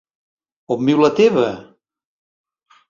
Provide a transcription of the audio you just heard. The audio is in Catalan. On viu la teva??